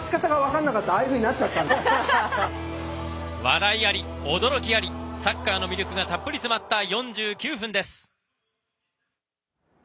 笑いあり、驚きありサッカーの魅力がたっぷり詰まった４９分です。